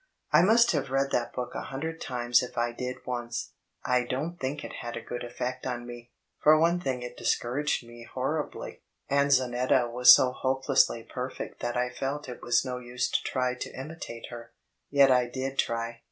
I must have read that book a hundred times if I did once. I don't think it had a good effect on me. For one thing it discouraged me horribly. Anzonetta was so hopelessly per fect that I felt it was no use to try to imitate her. Yet I did try.